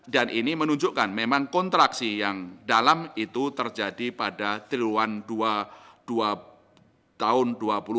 dan ini menunjukkan memang kontraksi yang dalam itu terjadi pada triluan tahun dua ribu dua puluh